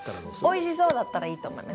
「おいしそう」だったらいいと思います。